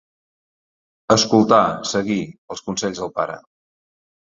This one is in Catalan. Escoltar, seguir, els consells del pare.